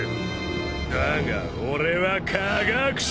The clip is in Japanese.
だが俺は科学者。